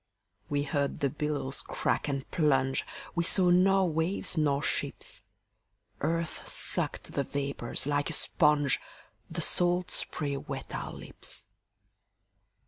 We heard the billows crack and plunge, We saw nor waves nor ships. Earth sucked the vapors like a sponge, The salt spray wet our lips.